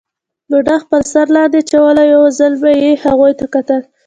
بوډا خپل سر لاندې اچولی وو، یو ځل به یې هغوی ته کتل.